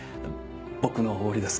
僕のおごりです。